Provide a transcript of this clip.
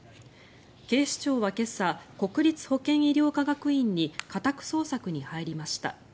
警視庁は今朝、国立保健医療科学院に家宅捜索に入りました。